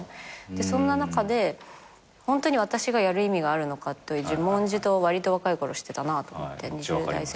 そんな中でホントに私がやる意味があるのかという自問自答をわりと若い頃してたなと思って。